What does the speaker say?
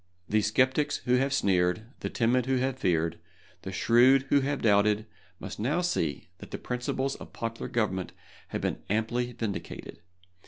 The sceptics who have sneered, the timid who have feared, the shrewd who have doubted, must now see that the principles of popular government have been amply vindicated.